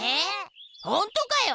ほんとかよ！